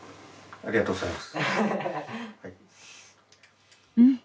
ありがとうございます。